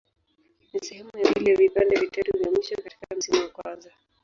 Ni sehemu ya pili ya vipande vitatu vya mwisho katika msimu wa kwanza.